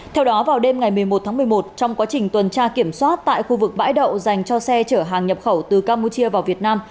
theo đó vào đêm ngày một mươi một tháng một mươi một trong quá trình tuần tra kiểm soát tại khu vực bãi đậu dành cho xe chở hàng nhập khẩu từ campuchia vào việt nam